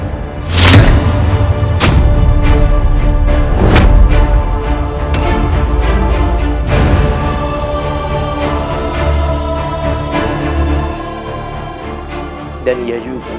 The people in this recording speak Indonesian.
tidak ada masalah